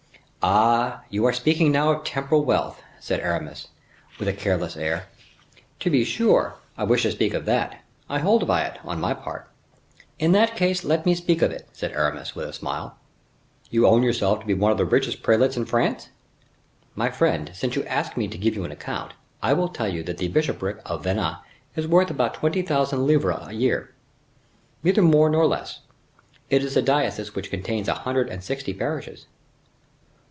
"Ah! you are now speaking of temporal wealth," said Aramis, with a careless air. "To be sure, I wish to speak of that; I hold by it, on my part." "In that case, let me speak of it," said Aramis, with a smile. "You own yourself to be one of the richest prelates in France?" "My friend, since you ask me to give you an account, I will tell you that the bishopric of Vannes is worth about twenty thousand livres a year, neither more nor less. It is a diocese which contains a hundred and sixty parishes."